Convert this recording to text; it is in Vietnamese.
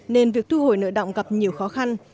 nên việc thu hồi nợ động gặp nhiều khó khăn